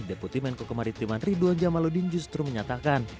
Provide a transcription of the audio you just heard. deputimen kokemaritim man ridwan jamaludin justru menyatakan